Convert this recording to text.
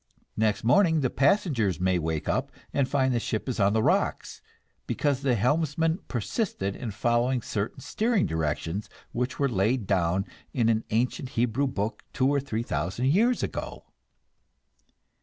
Next morning the passengers may wake up and find the ship on the rocks because the helmsman persisted in following certain steering directions which were laid down in an ancient Hebrew book two or three thousand years ago!